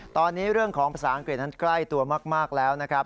ตอนนี้เรื่องของภาษาอังกฤษนั้นใกล้ตัวมากแล้วนะครับ